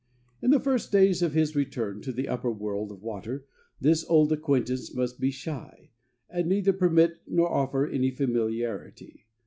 In the first days of his return to the upper world of water, this old acquaintance may be shy, and neither permit nor offer any familiarity.